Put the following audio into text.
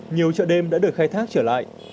nhiều chợ đêm đã được khai thác trở lại